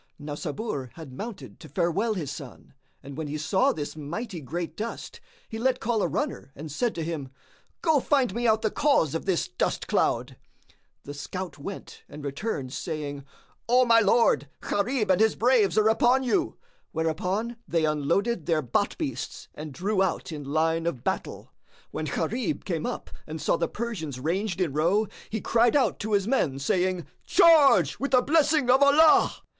Now Sabur had mounted to farewell his son, and when he saw this mighty great dust, he let call a runner and said to him, "Go find me out the cause of this dust cloud." The scout went and returned, saying, "O my lord, Gharib and his braves are upon you;" whereupon they unloaded their bât beasts and drew out in line of battle. When Gharib came up and saw the Persians ranged in row, he cried out to his men, saying, "Charge with the blessing of Allah!"